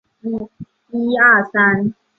是日本漫画家濑尾公治创作的恋爱漫画作品。